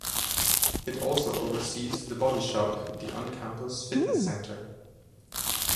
It also oversees The Body Shop, the on-campus fitness center.